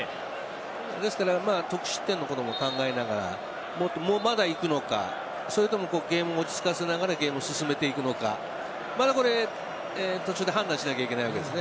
ですから得失点のことも考えながらまだいくのか、それともゲームを落ち着かせながらゲームを進めていくのかまだこれ途中で判断しなければいけないわけですよね。